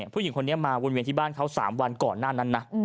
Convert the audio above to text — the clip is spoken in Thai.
ผู้หญิงคนนี้มาวนเวียนที่บ้านเขา๓วันก่อนหน้านั้นนะ